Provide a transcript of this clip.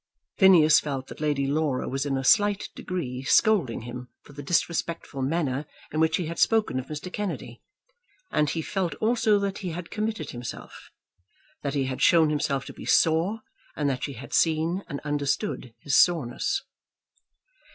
Phineas felt that Lady Laura was in a slight degree scolding him for the disrespectful manner in which he had spoken of Mr. Kennedy; and he felt also that he had committed himself, that he had shown himself to be sore, and that she had seen and understood his soreness.